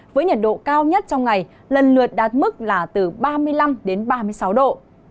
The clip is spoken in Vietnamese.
với nhiệt độ cao nhất trong ngày lần lượt đạt mức là từ ba mươi năm đến ba mươi sáu độ